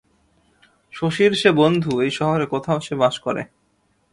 শশীর সে বন্ধু, এই শহরের কোথাও সে বাস করে।